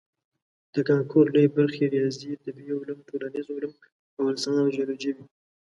د کانکور لویې برخې ریاضي، طبیعي علوم، ټولنیز علوم او السنه او جیولوجي وي.